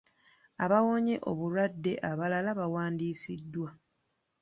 Abaawonye obulwadde abalala baawandiisiddwa.